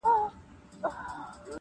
چي پښتو پالي په هر وخت کي پښتانه ملګري,